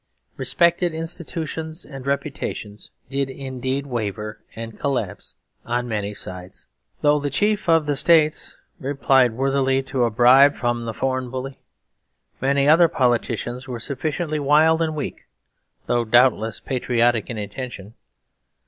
Respected institutions and reputations did indeed waver and collapse on many sides: though the chief of the states replied worthily to a bribe from the foreign bully, many other politicians were sufficiently wild and weak, though doubtless patriotic in intention.